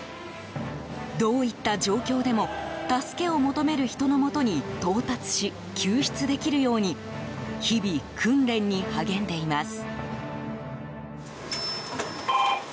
どういった状況でも助けを求める人のもとに到達し救出できるように日々、訓練に励んでいます。